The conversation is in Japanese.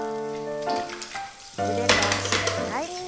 腕と脚タイミングよく。